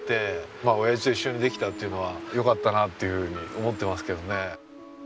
まあおやじと一緒にできたというのはよかったなっていうふうに思ってますけどね。